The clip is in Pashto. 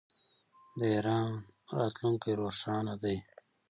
د ایران راتلونکی روښانه دی.